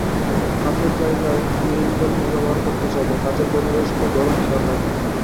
কাজের জায়গায় নেইলপলিশ ব্যবহার করতে চাইলে কাজের পরিবেশ ও ধরন খেয়াল রাখুন।